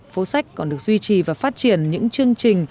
phố sách còn được duy trì và phát triển những chương trình